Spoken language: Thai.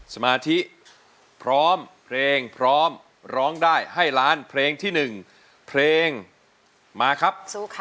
สมาธิพร้อมเพลงพร้อมร้องได้ให้ล้านเพลงที่๑เพลงมาครับสู้ค่ะ